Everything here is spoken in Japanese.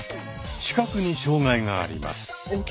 視覚に障がいがあります。